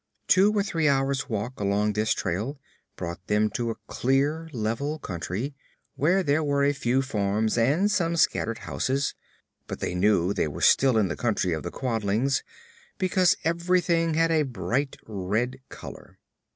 Two or three hours walk along this trail brought them to a clear, level country, where there were a few farms and some scattered houses. But they knew they were still in the Country of the Quadlings, because everything had a bright red color.